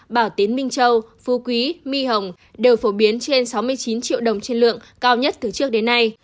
bảo tín minh châu phú quý my hồng đều phổ biến trên sáu mươi chín triệu đồng trên lượng cao nhất từ trước đến nay